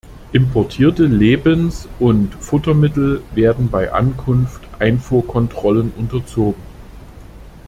Importierte Lebens- und Futtermittel werden bei Ankunft Einfuhrkontrollen unterzogen.